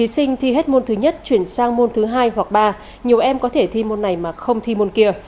thí sinh thi hết môn thứ nhất chuyển sang môn thứ hai hoặc ba nhiều em có thể thi môn này mà không thi môn kia